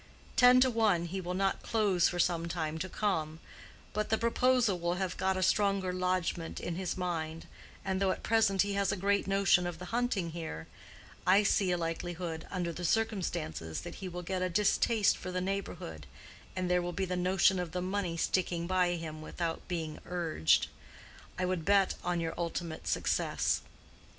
Ten to one he will not close for some time to come; but the proposal will have got a stronger lodgment in his mind; and though at present he has a great notion of the hunting here, I see a likelihood, under the circumstances, that he will get a distaste for the neighborhood, and there will be the notion of the money sticking by him without being urged. I would bet on your ultimate success.